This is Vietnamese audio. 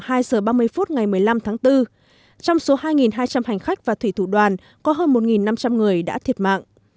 một mươi hai h ba mươi phút ngày một mươi năm tháng bốn trong số hai hai trăm linh hành khách và thủy thủ đoàn có hơn một năm trăm linh người đã thiệt mạng